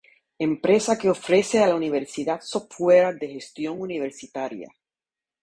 Empresa que ofrece a la Universidad software de gestión universitaria.